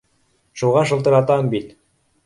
Шуға шылтыратам бит